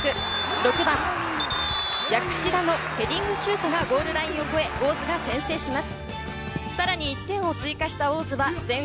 ６番・薬師田のヘディングシュートがゴールラインを越え、大津が先制します。